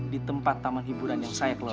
di tempat taman hiburan yang saya kelola